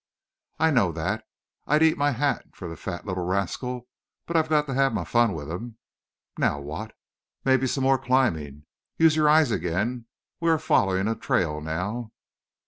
"I know that. I'd eat my hat for the fat little rascal, but I've got to have my fun with him. Now what?" "Maybe some more climbing. Use your eyes again. We are following a trail now."